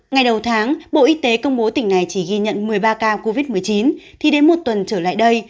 ngày đầu tháng bộ y tế công bố tỉnh này chỉ ghi nhận một mươi ba ca covid một mươi chín thì đến một tuần trở lại đây